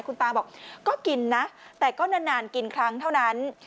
คุณตาบอกก็กินนะแต่ก็นานกินครั้งเท่านั้น